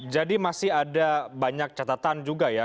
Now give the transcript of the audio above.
jadi masih ada banyak catatan juga ya